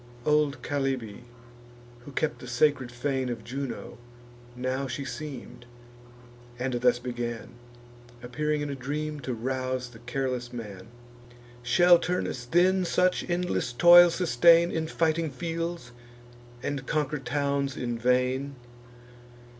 Old Chalybe, who kept the sacred fane Of Juno, now she seem'd, and thus began, Appearing in a dream, to rouse the careless man: "Shall Turnus then such endless toil sustain In fighting fields, and conquer towns in vain?